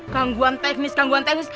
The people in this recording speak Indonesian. gangguan teknis gangguan teknis